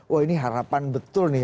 wah ini harapan betul nih